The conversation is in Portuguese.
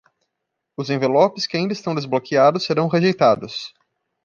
Os envelopes que ainda estão desbloqueados serão rejeitados.